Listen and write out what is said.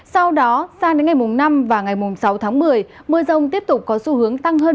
sau đó sang đến ngày năm và ngày mùng sáu tháng một mươi mưa rông tiếp tục có xu hướng tăng hơn